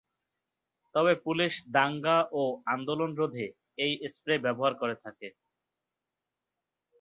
তবে পুলিশ দাঙ্গা ও আন্দোলন রোধে এই স্প্রে ব্যবহার করে থাকে।